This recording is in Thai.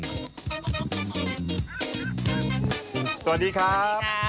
สวัสดีครับ